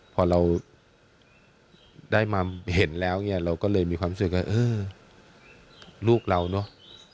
พอเราได้มาเห็นแล้วเราก็เลยมีความสุขว่าลูกเราน่ะ